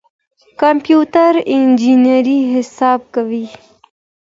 کمپيوټر انجنيري حساب کوي.